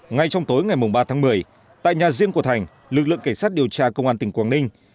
ngay trong tối ngày ba tháng một mươi tại nhà riêng của thành lực lượng cảnh sát điều tra công an tỉnh quảng ninh